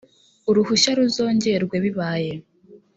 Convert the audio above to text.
uruhushya ruzongerwe bibaye